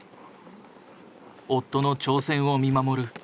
夫の挑戦を見守る。